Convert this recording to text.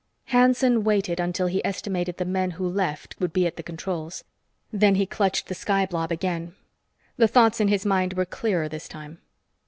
Hanson waited until he estimated the men who left would be at the controls. The he clutched the sky blob again. The thoughts in his mind were clearer this time.